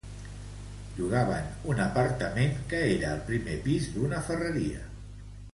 Llogaven un apartament que era al primer pis d'una ferreria.